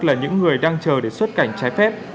là những người đang chờ để xuất cảnh trái phép